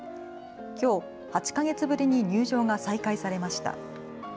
きょう、８か月ぶりに入場が再開されました。